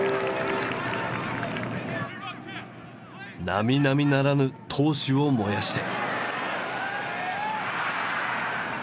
なみなみならぬ闘志を燃やして。